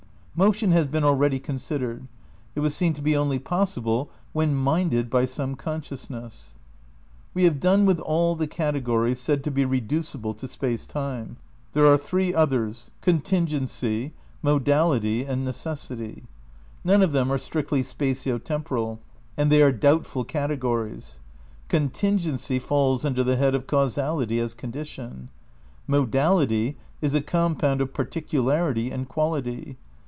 Motion has been already considered. It was seen to be only possible when "minded" by some conscious ness.^ We have done with aU the categories said to be re ducible to Space Time. There are three others : Con tingency; Modality and Necessity. None of them are strictly spatio temporal, and they are doubtful cate gories. Contingency falls under the head of Causality as Condition. Modality is a compound of particularity and quality.